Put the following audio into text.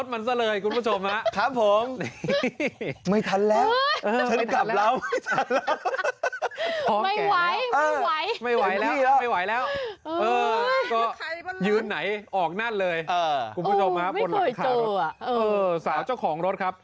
ไม่ไม่โลกแตกนะ